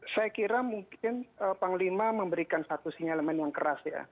saya kira mungkin panglima memberikan satu sinyalemen yang keras ya